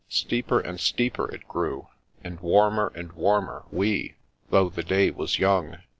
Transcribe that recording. Steeper and steeper it grew, and warmer and warmer we, though the day was young.